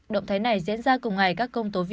động thái này diễn ra cùng ngày các công tố viên